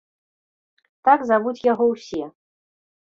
Так завуць яго ўсе.